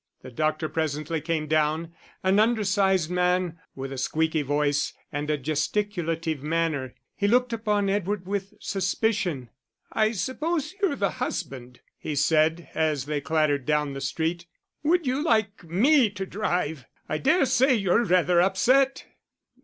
The doctor presently came down, an undersized man with a squeaky voice and a gesticulative manner. He looked upon Edward with suspicion. "I suppose you're the husband?" he said, as they clattered down the street. "Would you like me to drive? I dare say you're rather upset."